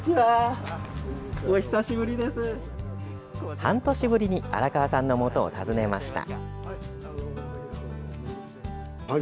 半年ぶりに荒川さんのもとを訪ねました。